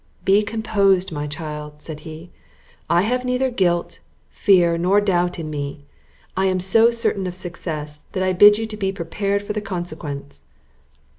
"Be composed, my child!" said he; "I have neither guilt, fear, nor doubt in me; I am so certain of success, that I bid you be prepared for the consequence."